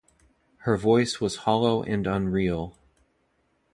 Her voice was hollow and unreal.